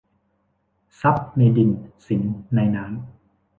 ทรัพย์ในดิน สินในน้ำ